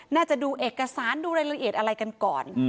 น่าจะดูเอกสารดูรายละเอียดอะไรกันก่อน